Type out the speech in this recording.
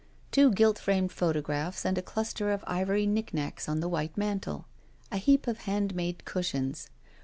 Two gilt framed photographs and a cluster of ivory knickknacks on the white mantel. A heap of handmade cushions.